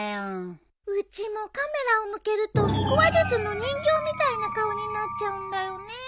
うちもカメラを向けると腹話術の人形みたいな顔になっちゃうんだよね。